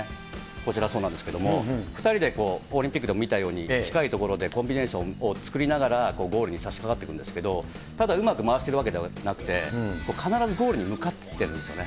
こちら、そうなんですけれども、２人で、オリンピックでも見たように、近い所でコンビネーションを作りながら、ゴールにさしかかっていくんですけれども、ただうまく回してるわけではなくて、必ずゴールに向かっていってるんですよね。